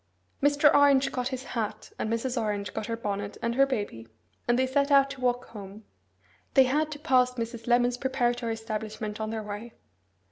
Mr. Orange got his hat, and Mrs. Orange got her bonnet and her baby, and they set out to walk home. They had to pass Mrs. Lemon's preparatory establishment on their way.